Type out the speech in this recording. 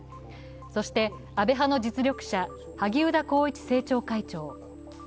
そして、安倍派の実力者、萩生田政調会長。